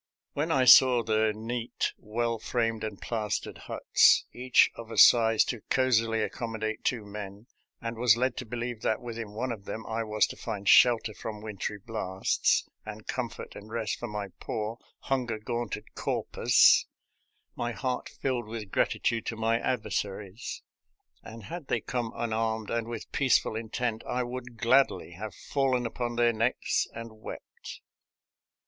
When I saw the neat, well framed, and plastered huts, each of a size to cozily ac commodate two men, and was led to believe that within one of them I was to find shelter from wintry blasts, and comfort and rest for my poor, hunger gaunted corpus, my heart filled with gratitude to my adversaries, and had they come unarmed and with peaceful intent I would gladly have " fallen upon their necks and wept."